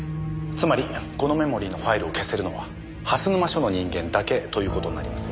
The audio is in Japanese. つまりこのメモリーのファイルを消せるのは蓮沼署の人間だけという事になりますよね？